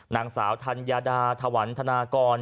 นางสาวธัญญาดาถวันธนากร